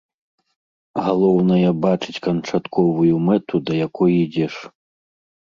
Галоўнае, бачыць канчатковую мэту, да якой ідзеш.